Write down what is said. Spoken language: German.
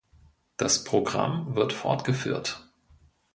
Das Programm wird fortgeführt.